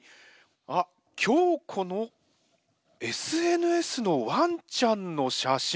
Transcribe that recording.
あっ強子のＳＮＳのワンちゃんの写真。